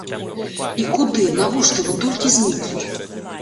І куды, нашто вы толькі зніклі?